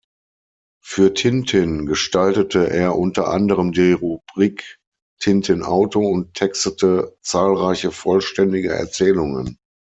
Für Tintin gestaltete er unter anderem die Rubrik „Tintin-Auto“ und textete zahlreiche vollständige Erzählungen.